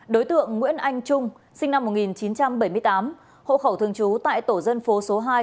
đối tượng nguyễn anh trung sinh năm một nghìn chín trăm bảy mươi tám hộ khẩu thường trú tại tổ dân phố số hai